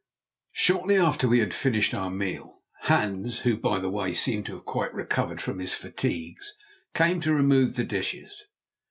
Shortly after we had finished our meal, Hans, who, by the way, seemed to have quite recovered from his fatigues, came to remove the dishes.